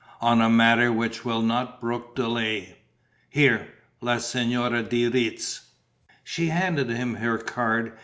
on a matter which will not brook delay. Here: la Signora de Retz...." She handed him her card.